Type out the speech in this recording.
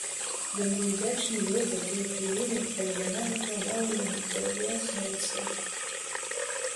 Ён быў удзячны ёй за тыя хвіліны, калі яна напраўляла яму перавязь на руцэ.